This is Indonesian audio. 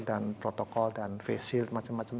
dan protokol dan face shield dan macam macam